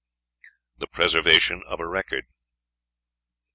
The Preservation of a Record.